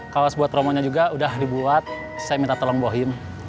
kaos buat promonya juga udah dibuat saya minta tolong bohin